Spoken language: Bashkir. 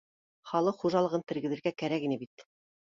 Халыҡ хужалығын тергеҙергә кәрәк пие бит